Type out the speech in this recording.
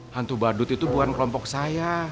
hantu badut itu bukan kelompok saya